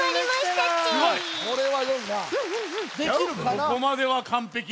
ここまではかんぺき。